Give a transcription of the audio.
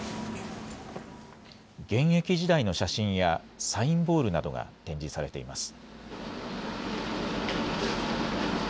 現役時代の写真やサインボールなどが展示されています。